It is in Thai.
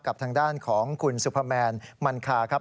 กับทางด้านของคุณซุปเปอร์แมนมันคาครับ